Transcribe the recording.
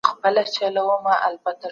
ولسي جرګه نوي وزيران تاييدوي.